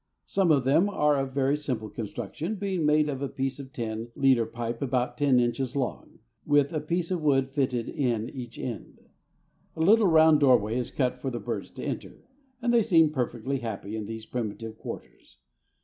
Some of them are of very simple construction, being made of a piece of tin leader pipe about ten inches long, with a piece of wood fitted in each end. A little round doorway is cut for the birds to enter, and they seem perfectly happy in these primitive quarters.